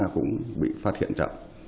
cũng bị phát hiện trọng